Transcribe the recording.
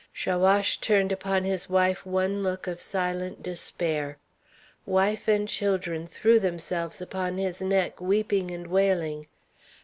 Chaouache turned upon his wife one look of silent despair. Wife and children threw themselves upon his neck, weeping and wailing.